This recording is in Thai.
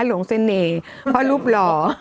หลวงเสน่ห์เพราะรูปหล่อ